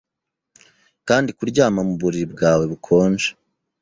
Kandi kuryama mu buriri bwawe bukonje